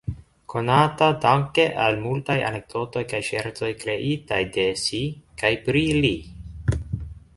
Konata danke al multaj anekdotoj kaj ŝercoj kreitaj de si kaj pri li.